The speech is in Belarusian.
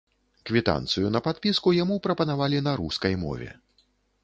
Квітанцыю на падпіску яму прапанавалі на рускай мове.